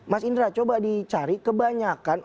mas indra coba dicari kebanyakan